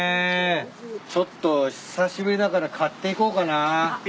ちょっと久しぶりだから買っていこうかな。